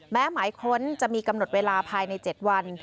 หมายค้นจะมีกำหนดเวลาภายใน๗วัน